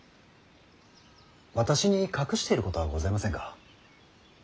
私に隠していることはございませんか。